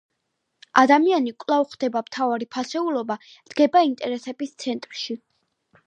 ადამიანი კვლავ ხდება მთავარი ფასეულობა, დგება ინტერესების ცენტრში.